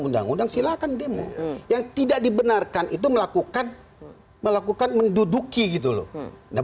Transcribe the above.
undang undang silakan demo yang tidak dibenarkan itu melakukan melakukan menduduki gitu loh nah